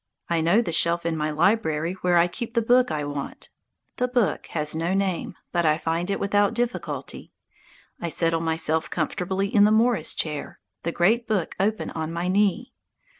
I know the shelf in my library where I keep the book I want. The book has no name, but I find it without difficulty. I settle myself comfortably in the morris chair, the great book open on my knee.